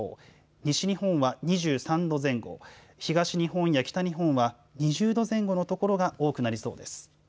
西日本は２３度前後東日本や北日本は２０度前後の所が多くなりそうです。